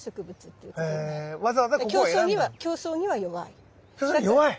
で競争には弱い。